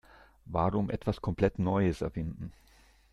Warum etwas komplett Neues erfinden?